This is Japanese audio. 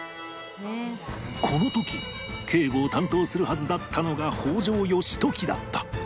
この時警護を担当するはずだったのが北条義時だった